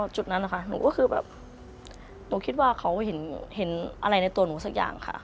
จุดนั้นนะคะหนูก็คือแบบหนูคิดว่าเขาเห็นอะไรในตัวหนูสักอย่างค่ะ